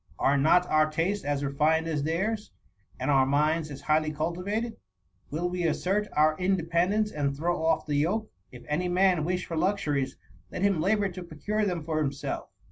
Are not our tastes as refined as theirs, and our minds as highly cultivated ? We will assert our inde pendence, and throw off the yoke. If any man wish for luxuries, let him labour to procure them for himself.